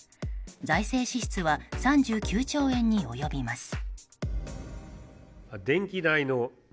財政支出は３９兆円に及びます。